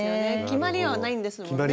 決まりはないんですもんね。